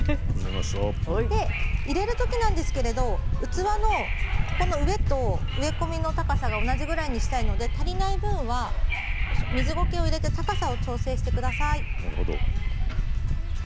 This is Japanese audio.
入れる時は器の上と植え込みの高さが同じぐらいにしたいので足りない分は水ゴケを入れて高さを調整してください。